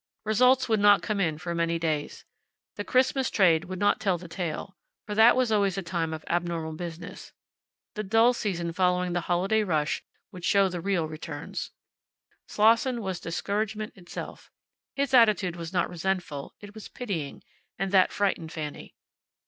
Results would not come in for many days. The Christmas trade would not tell the tale, for that was always a time of abnormal business. The dull season following the holiday rush would show the real returns. Slosson was discouragement itself. His attitude was not resentful; it was pitying, and that frightened Fanny.